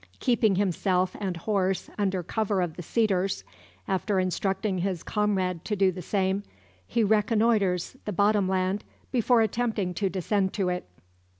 Keeping himself and horse under cover of the cedars, after instructing his comrade to do the same, he reconnoitres the bottom land, before attempting to descend to it.